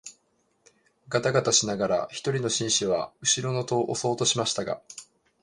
がたがたしながら一人の紳士は後ろの戸を押そうとしましたが、